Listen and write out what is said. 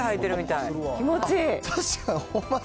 気持ちいい。